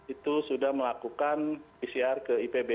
itu sudah melakukan pcr ke ipb